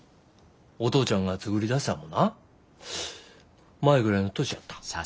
お父ちゃんが作りだしたんもな舞ぐらいの年やった。